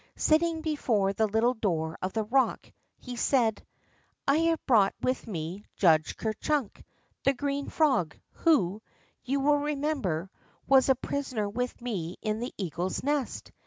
Sitting before the little door of the rock, he said: I have brought with me. Judge Ker Chnnk, the green frog, who, you will remember, was a prisoner with me in the eagle's nest.